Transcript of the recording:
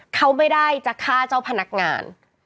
เขาไม่ได้จะฆ่าเจ้าพนักงาน